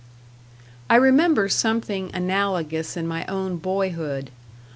I remember something analogous in my own boyhood.